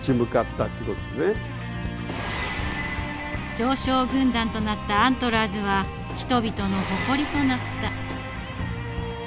常勝軍団となったアントラーズは人々の誇りとなった。